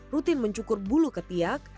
rutin mencukur bulu ketiak